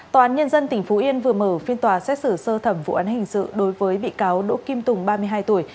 tòa án nhân dân tỉnh phú yên vừa mở phiên tòa xét xử sơ thẩm vụ án hình sự đối với bị cáo đỗ kim tùng ba mươi hai tuổi